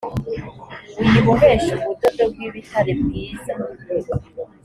uyiboheshe ubudodo bw ibitare bwiza